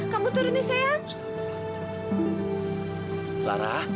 kamu turun nih sayang